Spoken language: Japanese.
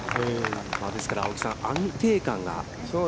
ですから、青木さん、安定感が。